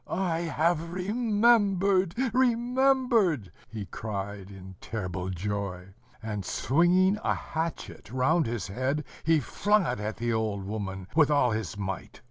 "I have remembered, remembered!" he cried in terrible joy; and, swinging a hatchet round his head, he flung it at the old woman with all his might.